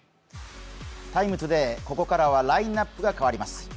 ここからはラインナップが変わります。